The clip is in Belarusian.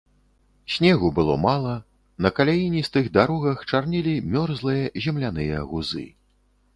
Снегу было мала, на каляіністых дарогах чарнелі мёрзлыя земляныя гузы.